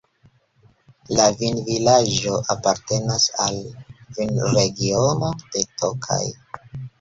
La vinvilaĝo apartenas al vinregiono de Tokaj.